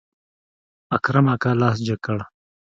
اکرم اکا لاس جګ کړ.